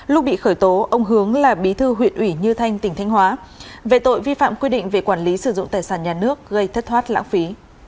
lúc bị khởi tố ông hướng là bí thư huyện ủy như thanh tỉnh thanh hóa về tội vi phạm quy định về quản lý sử dụng tài sản nhà nước gây thất thoát lãng phí